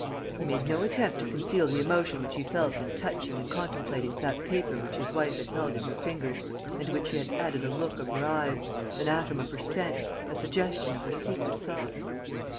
He made no attempt to conceal the emotion which he felt in touching and contemplating that paper which his wife had held in her fingers and to which she had added a look of her eyes, an atom of her scent, a suggestion of her secret thoughts.